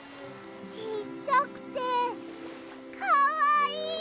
ちっちゃくてかわいい。